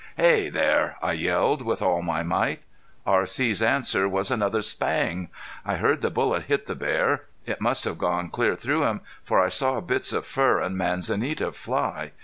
"Hey there!" I yelled with all my might. R.C.'s answer was another spang. I heard the bullet hit the bear. It must have gone clear through him for I saw bits of fur and manzanita fly.